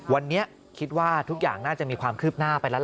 วันนี้คิดว่าทุกอย่างน่าจะมีความคืบหน้าไปแล้วล่ะ